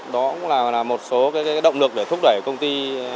đó cũng là một số động lực để thúc đẩy công ty